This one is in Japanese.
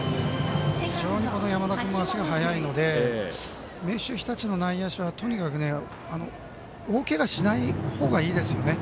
非常に山田君の足が速いので明秀日立の内野手はとにかく大けがしないほうがいいですよね。